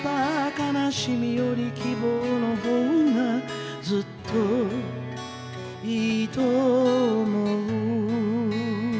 「悲しみより希望のほうがずっと良いと思う」